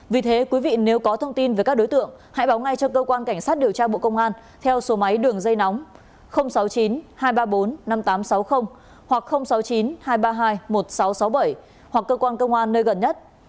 vì thế quý vị nếu có thông tin về các đối tượng hãy báo ngay cho cơ quan cảnh sát điều tra bộ công an theo số máy đường dây nóng sáu mươi chín hai trăm ba mươi bốn năm nghìn tám trăm sáu mươi hoặc sáu mươi chín hai trăm ba mươi hai một nghìn sáu trăm sáu mươi bảy hoặc cơ quan công an nơi gần nhất